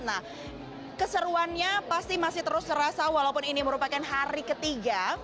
nah keseruannya pasti masih terus terasa walaupun ini merupakan hari ketiga